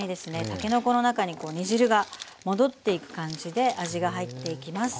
たけのこの中に煮汁が戻っていく感じで味が入っていきます。